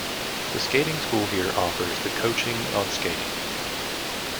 The skating school here offers the coaching on skating.